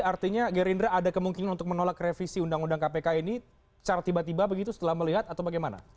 artinya gerindra ada kemungkinan untuk menolak revisi undang undang kpk ini secara tiba tiba begitu setelah melihat atau bagaimana